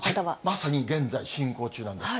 まさに現在、進行中なんです。